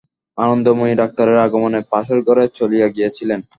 আনন্দময়ী ডাক্তারের আগমনে পাশের ঘরে চলিয়া গিয়াছিলেন।